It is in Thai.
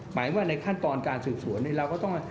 หมายความว่าในขั้นตอนการสืบสวนเนี่ยเราก็ต้อง